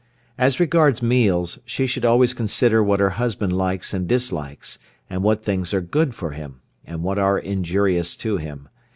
As regards meals she should always consider what her husband likes and dislikes, and what things are good for him, and what are injurious to him.